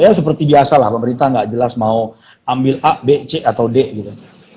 ya seperti biasa lah pemerintah nggak jelas mau ambil a b c atau d gitu